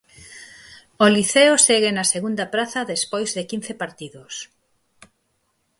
O Liceo segue na segunda praza despois de quince partidos.